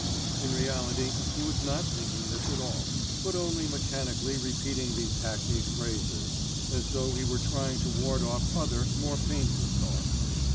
'... In reality he was not thinking this at all, but only mechanically repeating these hackneyed phrases, as though he were trying to ward off other more painful thoughts.